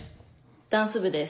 ダンス部です。